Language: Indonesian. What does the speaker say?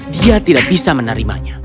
dia tidak bisa menerimanya